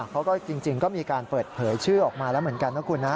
เขาก็จริงก็มีการเปิดเผยชื่อออกมาแล้วเหมือนกันนะคุณนะ